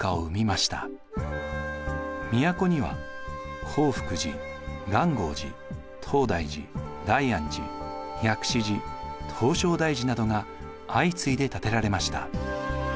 都には興福寺元興寺東大寺大安寺薬師寺唐招提寺などが相次いで建てられました。